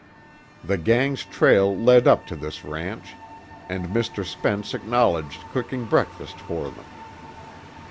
The gang's trail led up to this ranch, and Mr. Spence acknowledged cooking breakfast for them.